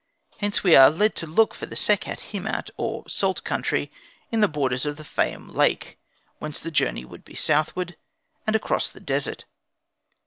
Hence we are led to look for the Sekhet Hemat, or salt country, in the borders of the Fayum lake, whence the journey would be southward, and across the desert.